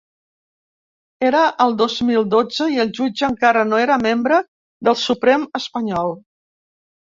Era el dos mil dotze i el jutge encara no era membre del Suprem espanyol.